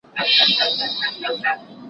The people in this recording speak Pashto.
زه کښېناستل کړي دي؟!